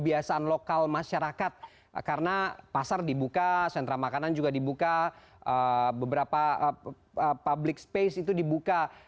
kebiasaan lokal masyarakat karena pasar dibuka sentra makanan juga dibuka beberapa public space itu dibuka